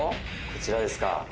こちらですか？